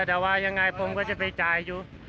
แต่ว่ายังไงผมก็จะไปจ่ายอยู่